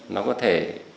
nó có thể